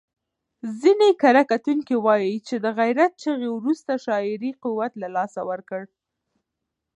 ځینې کره کتونکي وايي چې د غیرت چغې وروسته شاعري قوت له لاسه ورکړ.